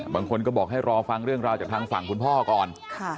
บางคนก็บอกให้รอฟังเรื่องราวจากทางฝั่งคุณพ่อก่อน